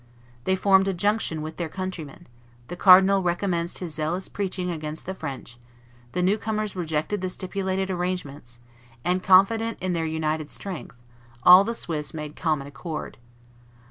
They formed a junction with their countrymen; the cardinal recommenced his zealous preaching against the French; the newcomers rejected the stipulated arrangements; and, confident in their united strength, all the Swiss made common accord.